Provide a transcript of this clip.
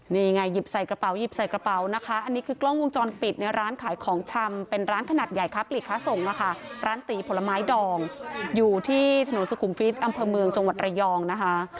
นี่ไงหยิบใส่กระเป๋าหยิบใส่กระเป๋านะคะอันนี้คือกล้องวงจรปิดในร้านขายของชำเป็นร้านขนาดใหญ่ค้าปลีกค้าส่งนะคะร้านตีผลไม้ดองอยู่ที่ถนนสุขุมวิทย์อำเภอเมืองจังหวัดระยองนะคะ